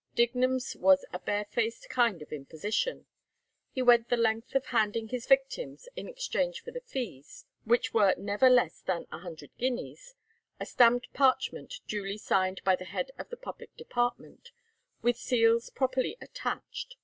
Dignum's was a barefaced kind of imposition. He went the length of handing his victims, in exchange for the fees, which were never less than a hundred guineas, a stamped parchment duly signed by the head of the public department, with seals properly attached.